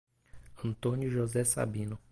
Antônio José Sabino